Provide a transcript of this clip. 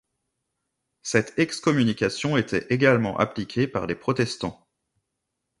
Cette excommunication était également appliquée par les protestants.